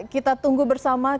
kita tunggu bersama